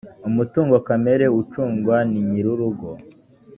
umutungo kamere ucungwa ninyirurugo.